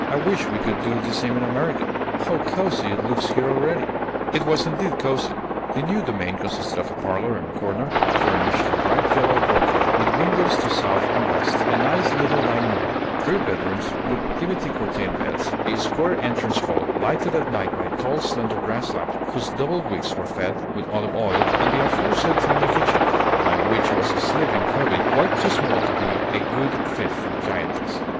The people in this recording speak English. "I wish we could do the same in America. How cosy it looks here already!" It was indeed cosy. Their new domain consisted of a parlor in a corner, furnished in bright yellow brocade, with windows to south and west; a nice little dining room; three bedrooms, with dimity curtained beds; a square entrance hall, lighted at night by a tall slender brass lamp whose double wicks were fed with olive oil; and the aforesaid tiny kitchen, behind which was a sleeping cubby, quite too small to be a good fit for the giantess.